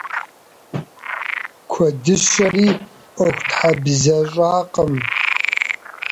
Куэдыщэри ӀуэхутхьэбзэщӀакъым.